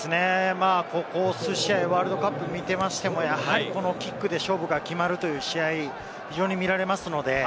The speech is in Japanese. ここ数試合、ワールドカップを見ていても、キックで勝負が決まるという試合が非常に見られますので。